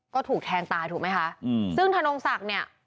ก็ถูกแทงตายถูกไหมคะอืมซึ่งธนงศักดิ์เนี่ย